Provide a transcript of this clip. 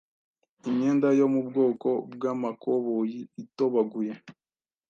Imyenda yo mu bwoko bw’amakoboyi itobaguye